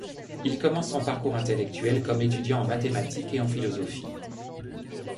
Il commence son parcours intellectuel comme étudiant en mathématiques et en philosophie.